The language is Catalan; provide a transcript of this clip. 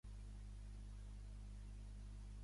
Per exemple, la beguda yuanyang i l'arròs fregit yuan-yang.